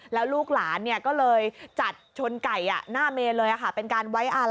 แล้วลูกหลานเนี่ยก็เลยจัดชนไก่อ่ะหน้าเมนเลยอ่ะค่ะ